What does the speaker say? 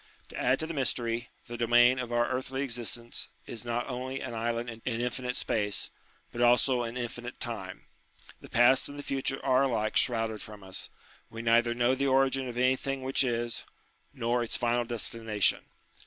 To add to the mystery, the domain of our earthly existence is not only an island in infinite space, but also in infinite time. The past and the future are alike shrouded from us : we neither know the origin of anything which is, nor its final destination.